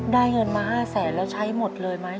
เงินมา๕แสนแล้วใช้หมดเลยไหม